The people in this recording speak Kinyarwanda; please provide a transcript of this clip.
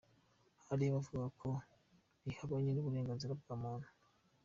Hari abavugaga ko rihabanye n’uburenganzira bwa muntu